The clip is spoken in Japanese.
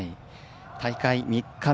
大会３日目